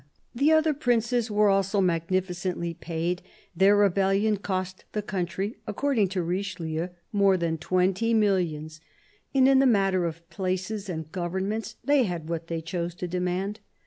The other princes were also magnificently paid : their rebellion cost the country, " according to Richelieu, more than twenty millions"; and in the matter of places and governments, they had what they chose to demand.